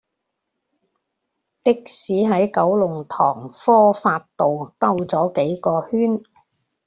的士喺九龍塘科發道兜左幾個圈